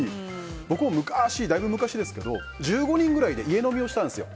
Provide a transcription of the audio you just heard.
僕もだいぶ昔１５人ぐらいで家飲みをしたんですよ。